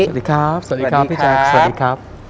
สวัสดีครับสวัสดีครับพี่แจ๊คสวัสดีครับ